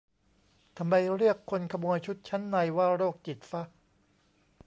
ทำไมเรียกคนขโมยชุดชั้นในว่า "โรคจิต" ฟะ